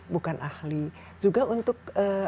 bukan ahli juga untuk